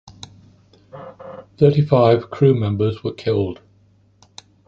Thirty-five crew members were killed.